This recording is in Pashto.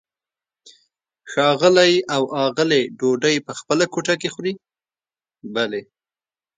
ښاغلی او آغلې ډوډۍ په خپله کوټه کې خوري؟ بلې.